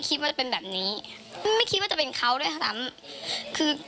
คือเห็นรักเด็กเล่นกับเด็กสอนเด็กดูนี่น